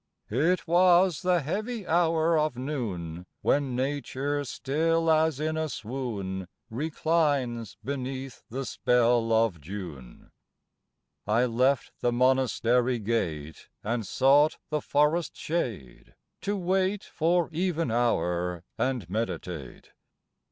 It was the heavy hour of noon, When Nature still as in a swoon Reclines beneath the spell of June. I left the Monastery gate, And sought the forest shade, to wait For even hour, and meditate.